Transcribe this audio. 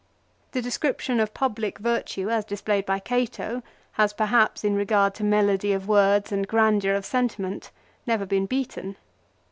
The de scription of public virtue as displayed by Cato has perhaps in regard to melody of words and grandeur of sentiment never been beaten.